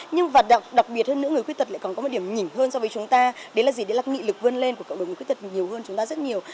nhưng và đặc biệt hơn nữa người khuyết tật lại còn có một điểm nhỉnh hơn so với chúng ta đấy là gì đấy là nghị lực vươn lên của người khuyết tật nhiều hơn chúng ta rất nhiều